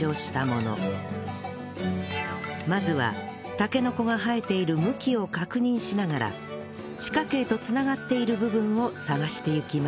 まずはたけのこが生えている向きを確認しながら地下茎と繋がっている部分を探していきます